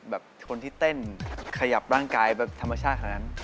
คนที่เต้นขยับร่างกายแบบธรรมชาติขนาดนั้น